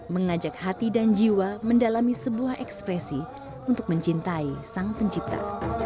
mengajak hati dan jiwa mendalami sebuah ekspresi untuk mencintai sang pencipta